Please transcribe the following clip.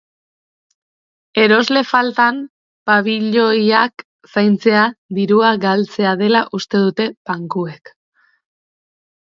Erosle faltan, pabiloiak zaintzea dirua galdetzea dela uste dute bankuek.